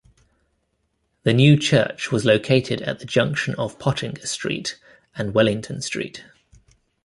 The new church was located at the junction of Pottinger Street and Wellington Street.